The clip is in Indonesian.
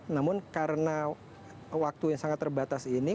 namun karena waktu yang sangat terbatas ini